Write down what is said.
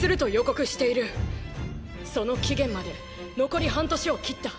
その期限まで残り半年を切った！